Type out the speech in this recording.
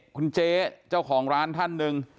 คุณเจ๊เจ้าของร้านท่านหนึ่ง